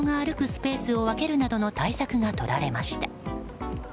スペースを分けるなどの対策がとられました。